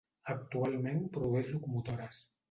Actualment produeix locomotores.